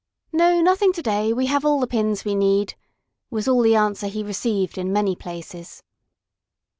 "No, nothing to day! We have all the pins we need," was all the answer he received in many places.